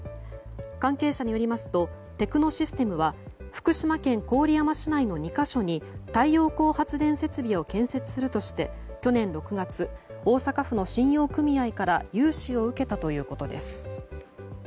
関係者によりますとテクノシステムは福島県郡山市内の２か所に太陽光発電設備を建設するとして、去年６月大阪府の信用組合から融資を受けたということです。